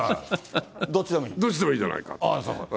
どっちでもいいじゃないかと。